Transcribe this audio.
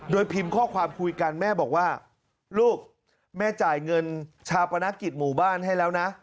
โดยพิมพ์ข้อความคุยกันแม่บอกว่าลูกแม่จ่ายเงินชาปนกิจหมู่บ้านให้แล้วนะ